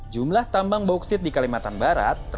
jumlah tambang bauksit di kalimantan barat